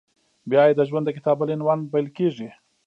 بیا یې د ژوند د کتاب بل عنوان پیل کېږي…